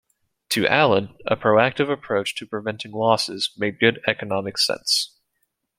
To Allen, a proactive approach to preventing losses made good economic sense.